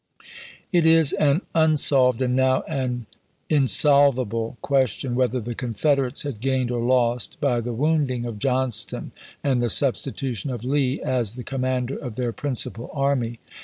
It is an unsolved and now an insolvable question whether the Confederates had gained or lost by the wounding of Johnston and the substitution of Lee as the commander of their principal army.